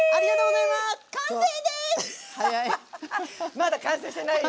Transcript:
まだ完成してないよ。